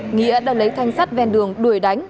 nghĩa đã lấy thanh sắt ven đường đuổi đánh